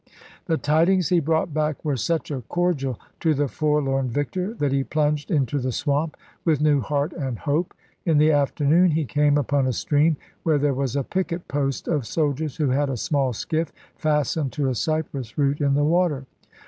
The tidings he brought back were such a cordial to the forlorn victor, that he plunged into the swamp with new heart and hope. In the afternoon he came upon a stream where there was a picket post of soldiers who had a small skiff fastened to a cypress root in the water.